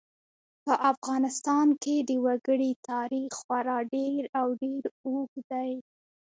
په افغانستان کې د وګړي تاریخ خورا ډېر او ډېر اوږد دی.